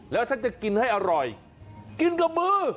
แล้วถ้าจะกินให้อร่อยกินกับมือ